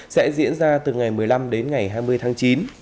sẽ diễn ra từ ngày một mươi năm đến ngày hai mươi tháng chín